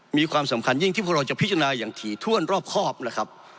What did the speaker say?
มีความสำคัญยิ่งที่พวกเราจะพิจารณาอย่างถี่ถ้วนรอบครอบนะครับ